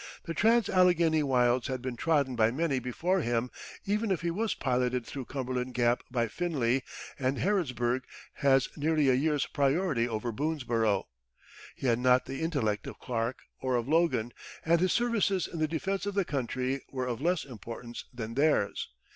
The trans Alleghany wilds had been trodden by many before him; even he was piloted through Cumberland Gap by Finley, and Harrodsburg has nearly a year's priority over Boonesborough. He had not the intellect of Clark or of Logan, and his services in the defense of the country were of less importance than theirs.